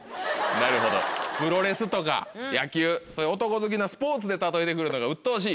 なるほど「プロレスとか野球そういう男好きなスポーツで例えて来るのがうっとうしい」